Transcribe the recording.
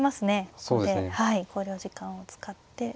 ここで考慮時間を使って。